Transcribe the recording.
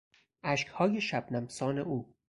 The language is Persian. اشکهای شبنمسان او